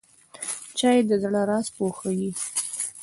چای د زړه راز پوهیږي.